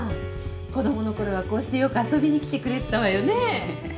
子どもの頃はこうしてよく遊びに来てくれてたわよね？